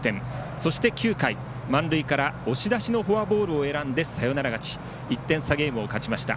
そして９回満塁から押し出しのフォアボールを選んでサヨナラ勝ち１点差ゲームを勝ちました。